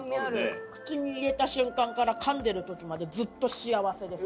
口に入れた瞬間から噛んでる時までずっと幸せです。